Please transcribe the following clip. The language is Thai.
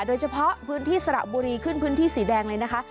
โดยเฉพาะพื้นที่สระบุรีขึ้นพื้นที่สีแดงเลยนะคะ